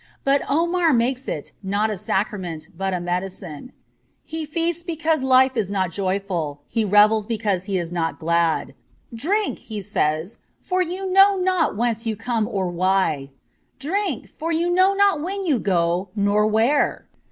But Omar makes it, not a sacrament, but a medicine. He feasts because life is not joyful ; he revels because he is not glad. 'Drink,' he says, 'for you know not whence you come nor why. Drink, for you know not when you go nor where.